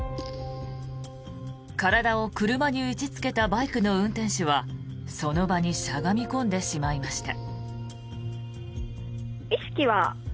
体を車に打ちつけたバイクの運転手はその場にしゃがみ込んでしまいました。